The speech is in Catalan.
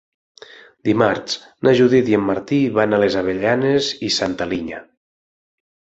Dimarts na Judit i en Martí van a les Avellanes i Santa Linya.